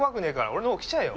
俺の方来ちゃえよ！